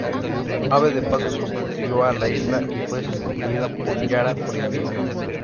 Ave de paso sustituyó a La Isla y fue sustituida por Yara prohibida.